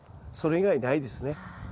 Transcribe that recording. それ以外ないですね。